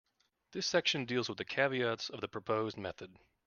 This section deals with the caveats of the proposed method.